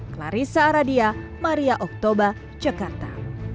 clarissa aradia maria oktober jakarta